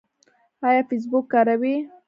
ایا فیسبوک کاروئ؟